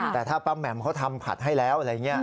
แต่ถ้าป้าแหม่มเขาทำผัดให้แล้วอะไรอย่างนี้